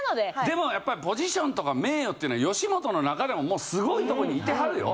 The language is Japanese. でもやっぱりポジションとか名誉ってのは吉本の中でもすごいとこにいてはるよ。